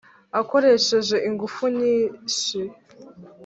akoresheje ingufu nyishi